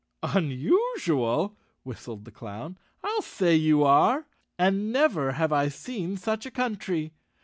"Unusual," whistled the Clown. "I'll say you are I And never have I seen such a country.